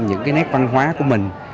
những cái nét văn hóa của mình